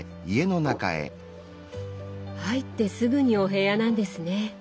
入ってすぐにお部屋なんですね。